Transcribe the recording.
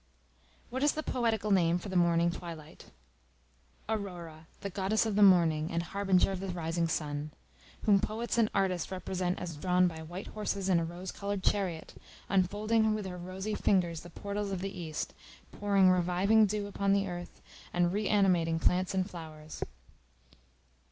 What is the poetical name for the morning Twilight? Aurora, the goddess of the morning, and harbinger of the rising sun: whom poets and artists represent as drawn by white horses in a rose colored chariot, unfolding with her rosy fingers the portals of the East, pouring reviving dew upon the earth, and re animating plants and flowers.